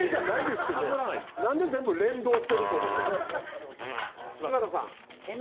何で全部連動してると思ってるの。